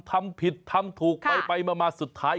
ทำผิดทำถูกไปมาสุดท้าย